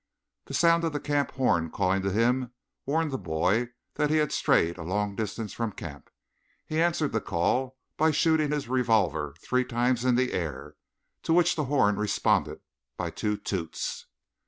The sound of the camp horn calling to him warned the boy that he had strayed a long distance from camp. He answered the call by shooting his revolver three times in the air, to which the horn responded by two toots.